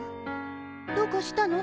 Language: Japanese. どうかしたの？